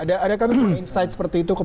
ada kan insight seperti itu